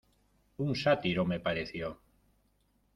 Un sátiro, me pareció.